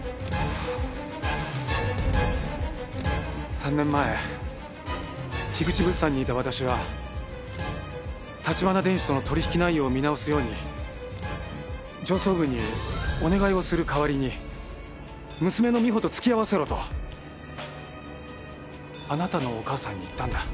３年前口物産にいた私は立花電子との取引内容を見直すように上層部にお願いをする代わりに娘の美穂と付き合わせろとあなたのお母さんに言ったんだ。